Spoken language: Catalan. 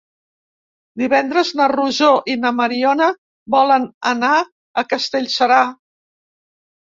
Divendres na Rosó i na Mariona volen anar a Castellserà.